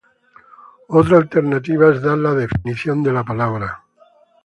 Otra alternativa es dar la definición de la palabra.